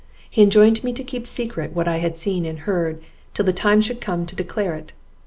He enjoined me to keep secret what I had seen and heard, till the time should come to declare it.